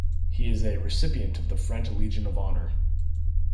He is a recipient of the French Legion of Honor.